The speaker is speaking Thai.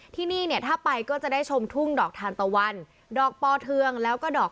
ที่นี่เนี่ยถ้าไปก็จะได้ชมทุ่งดอกทานตะวันดอกปอเทืองแล้วก็ดอก